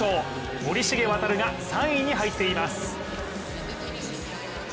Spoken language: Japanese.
森重航が３位に入っています。